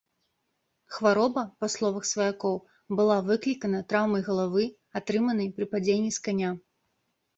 Хвароба, па словах сваякоў, была выклікана траўмай галавы, атрыманай пры падзенні з каня.